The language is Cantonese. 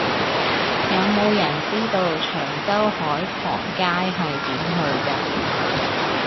有無人知道長洲海傍街係點去㗎